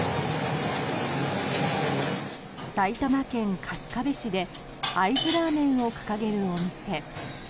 埼玉県春日部市で会津ラーメンを掲げるお店。